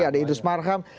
ada idris marham